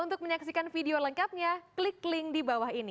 untuk menyaksikan video lengkapnya klik link di bawah ini